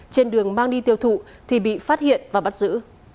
trên đường mang đi tiêu thụ thì bị phát hiện và bắt giữ